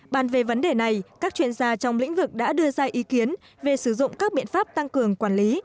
bàn về vấn đề này các chuyên gia trong lĩnh vực đã đưa ra ý kiến về sử dụng các biện pháp tăng cường quản lý